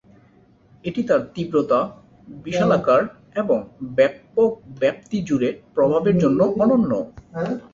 এটি তার তীব্রতা, বিশালাকার এবং ব্যাপক ব্যাপ্তি জুড়ে প্রভাবের জন্য অনন্য।